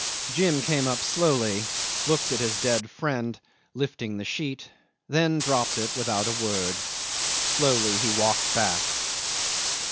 Jim came up slowly, looked at his dead friend, lifting the sheet, than dropped it without a word. Slowly he walked back.